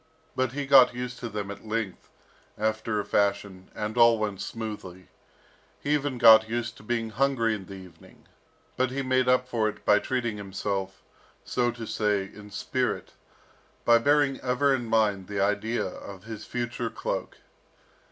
But he got used to them at length, after a fashion, and all went smoothly. He even got used to being hungry in the evening, but he made up for it by treating himself, so to say, in spirit, by bearing ever in mind the idea of his future cloak.